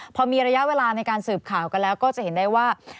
พอมีระยะเวลาในการสืบข่าวกันแล้วก็จะเห็นได้ว่า